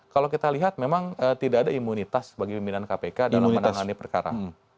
kalau kita lihat memang tidak ada imunitas bagi pimpinan kpk dalam menangani perkara